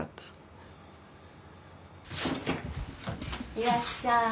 いらっしゃい。